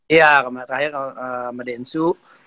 iya terakhir sama densu